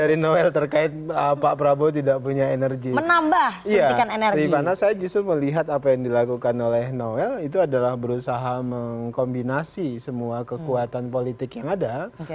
rifana saya justru melihat apa yang dilakukan oleh noel itu adalah berusaha mengkombinasi semua kekuatan politik yang ada